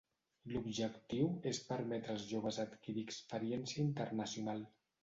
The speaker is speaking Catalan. L'objectiu és permetre als joves adquirir experiència internacional.